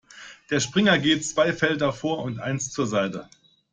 Der Springer geht zwei Felder vor und eins zur Seite.